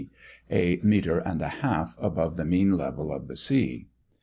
(a metre and a half above the mean level of the sea).